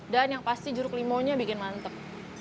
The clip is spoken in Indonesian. dan yang pasti jeruk limaunya bikin mantep